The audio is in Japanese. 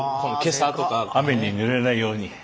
雨にぬれないように。